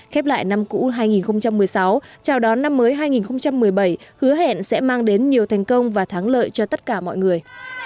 khép lại năm cũ hai nghìn một mươi sáu chào đón năm mới hai nghìn một mươi bảy hứa hẹn sẽ mang đến nhiều thành công và thắng lợi cho tất cả mọi người